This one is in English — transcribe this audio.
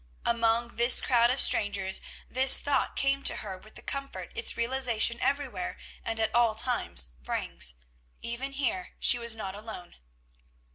Among this crowd of strangers this thought came to her with the comfort its realization everywhere, and at all times, brings. Even here, she was not alone.